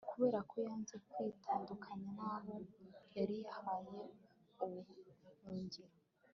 kubera ko yanze kwitandukanya n'abo yari yarahaye ubuhungiro